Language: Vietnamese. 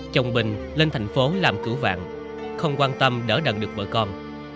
chồng bình lên thành phố làm cửu vạn không quan tâm đỡ đần được bởi con